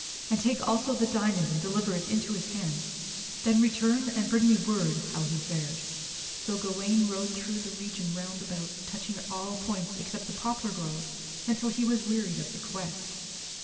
And take also the diamond and deliver it into his hands, then return and bring me word how he fares." So Gawain rode through the region round about touching at all points except the poplar grove until he was wearied of the quest.